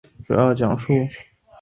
继位的莫元清逃往中国避难。